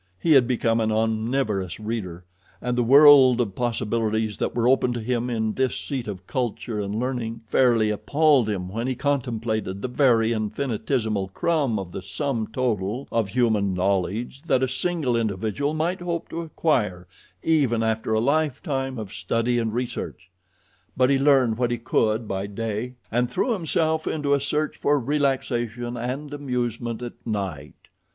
He had become an omnivorous reader, and the world of possibilities that were opened to him in this seat of culture and learning fairly appalled him when he contemplated the very infinitesimal crumb of the sum total of human knowledge that a single individual might hope to acquire even after a lifetime of study and research; but he learned what he could by day, and threw himself into a search for relaxation and amusement at night.